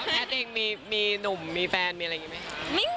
แท้จริงมีหนุ่มมีแฟนมีอะไรอย่างนี้ไหมคะ